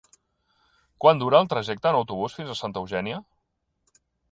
Quant dura el trajecte en autobús fins a Santa Eugènia?